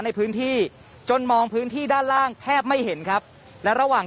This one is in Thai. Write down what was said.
ในพื้นที่จนมองพื้นที่ด้านล่างแทบไม่เห็นครับและระหว่าง